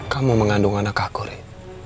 kamu mengandung anak aku riz